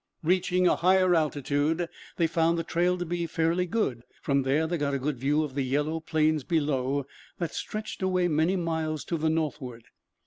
Reaching a higher altitude they found the trail to be fairly good. From there they got a good view of the yellow plains below, that stretch away many miles to the northward.